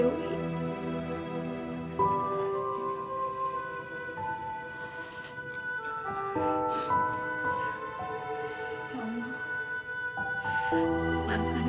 ibu kok malah marah sama dewi